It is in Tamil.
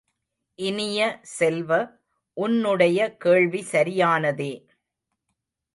இனிய செல்வ, உன்னுடைய கேள்வி சரியானதே!